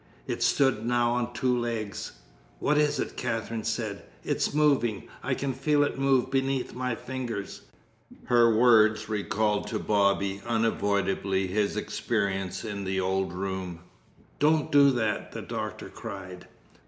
It stood now on two legs. "What is it?" Katherine said. "It's moving. I can feel it move beneath my fingers." Her words recalled to Bobby unavoidably his experience in the old room. "Don't do that!" the doctor cried.